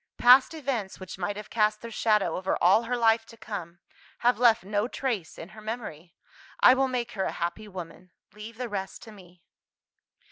Past events which might have cast their shadow over all her life to come, have left no trace in her memory. I will make her a happy woman. Leave the rest to me."